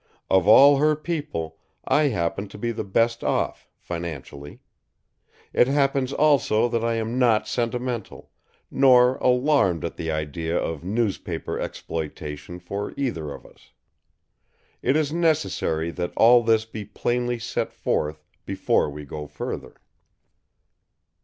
Of all her people, I happen to be the best off, financially. It happens also that I am not sentimental, nor alarmed at the idea of newspaper exploitation for either of us. It is necessary that all this be plainly set forth before we go further.